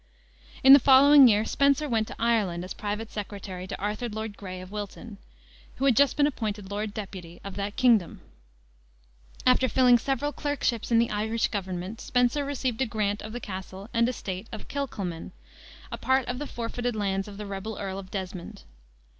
In the following year Spenser went to Ireland as private secretary to Arthur Lord Grey of Wilton, who had just been appointed Lord Deputy of that kingdom. After filling several clerkships in the Irish government, Spenser received a grant of the castle and estate of Kilcolman, a part of the forfeited lands of the rebel Earl of Desmond.